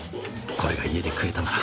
これが家で食えたなら。